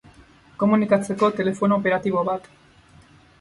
Komunikatzeko telefono operatibo bat.